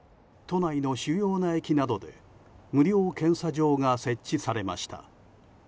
都内の主要な駅などで無料検査場が設置されました。